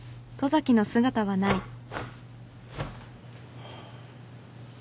ハァ。